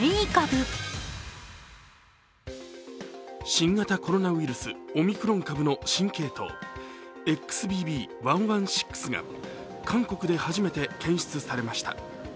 新型コロナウイルスオミクロン株の新系統、ＸＢＢ．１．１６が韓国で初めて検出されました。